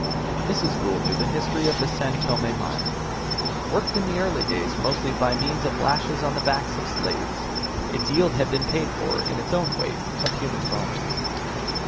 Mrs. Gould knew the history of the San Tome mine. Worked in the early days mostly by means of lashes on the backs of slaves, its yield had been paid for in its own weight of human bones.